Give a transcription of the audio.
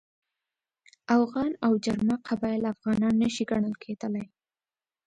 اوغان او جرما قبایل افغانان نه شي ګڼل کېدلای.